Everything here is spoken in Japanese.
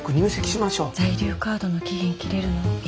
在留カードの期限切れるのいつ？